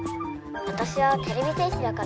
わたしはてれび戦士だから」。